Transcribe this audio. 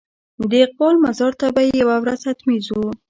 د اقبال مزار ته به هم یوه ورځ حتمي ځو.